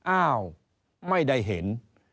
อ้าวไม่ได้เห็น